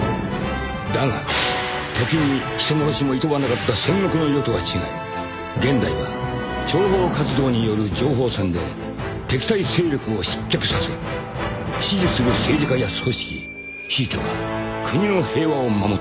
［だが時に人殺しもいとわなかった戦国の世とは違い現代は諜報活動による情報戦で敵対勢力を失脚させ支持する政治家や組織ひいては国の平和を守っている］